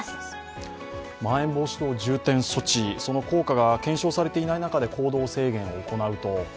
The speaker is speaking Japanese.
まん延防止等重点措置、その効果が検証されていない中で行動制限を行うと。